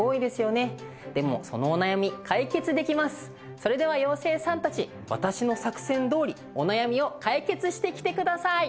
それでは妖精さんたち私の作戦どおりお悩みを解決してきてください！